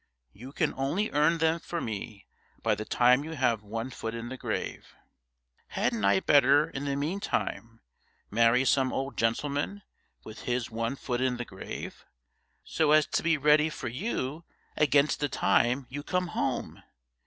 'You can only earn them for me by the time you have one foot in the grave. Hadn't I better in the meantime marry some old gentleman with his one foot in the grave, so as to be ready for you against the time you come home?